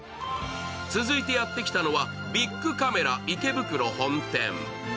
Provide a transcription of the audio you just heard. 続いてやって来たのはビックカメラ池袋本店。